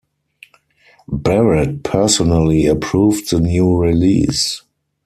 Barrett personally approved the new release.